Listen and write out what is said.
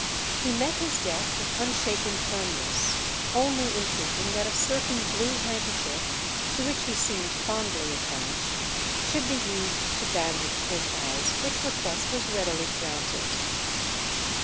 He met his death with unshaken firmness, only entreating that a certain blue handkerchief, to which he seemed fondly attached, should be used to bandage his eyes, which request was readily granted.